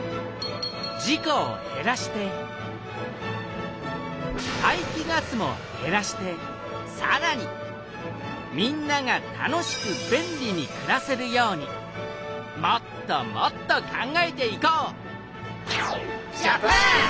事故をへらして排気ガスもへらしてさらにみんなが楽しく便利にくらせるようにもっともっと考えていこうジャパン！